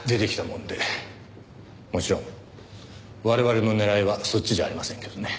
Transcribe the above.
もちろん我々の狙いはそっちじゃありませんけどね。